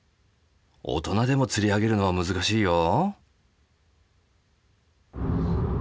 大人でも釣り上げるのは難しいよ。